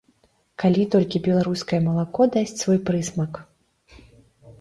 Калі толькі беларускае малако дасць свой прысмак.